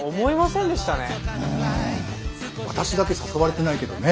うん私だけ誘われてないけどね。